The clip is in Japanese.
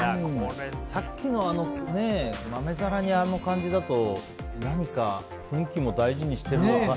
さっきの豆皿にあの感じだと何か雰囲気も大事にしてるような。